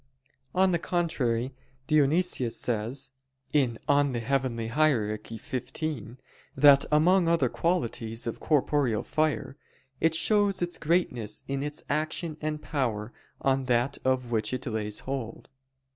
On the contrary, Dionysius says (Coel. Hier. xv) that among other qualities of corporeal fire, "it shows its greatness in its action and power on that of which it lays hold."